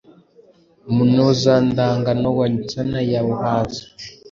Munozandagano wa Nsana ya Buhanza,